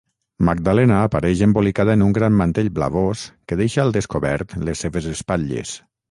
Magdalena apareix embolicada en un gran mantell blavós que deixa al descobert les seves espatlles.